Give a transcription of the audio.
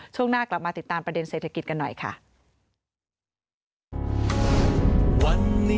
ช่วงหน้ากลับมาติดตามประเด็นเศรษฐกิจกันหน่อยค่ะ